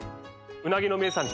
うなぎの名産地